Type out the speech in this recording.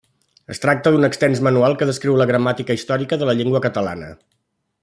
Es tracta d'un extens manual que descriu la gramàtica històrica de la llengua catalana.